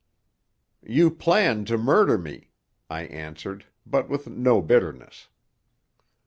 "You planned to murder me," I answered, but with no bitterness.